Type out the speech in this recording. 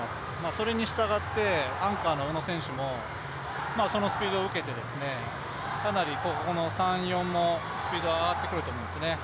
それにしたがってアンカーの宇野選手もそのスピードを受けてかなり、３、４もスピード上がってくると思うんですよね。